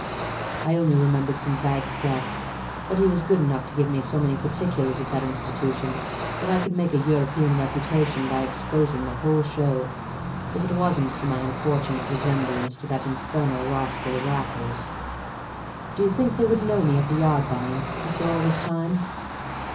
I only remembered some vague threats, but he was good enough to give me so many particulars of that institution that I could make a European reputation by exposing the whole show if it wasn't for my unfortunate resemblance to that infernal rascal Raffles. Do you think they would know me at the Yard, Bunny, after all this time?